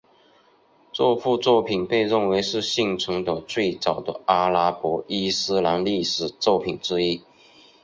这部作品被认为是幸存的最早的阿拉伯伊斯兰历史作品之一。